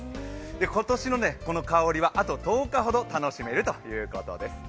今年のこのかおりはあと１０日ほど楽しめるということです。